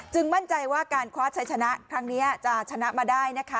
มั่นใจว่าการคว้าชัยชนะครั้งนี้จะชนะมาได้นะคะ